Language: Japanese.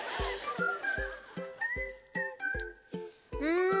うん！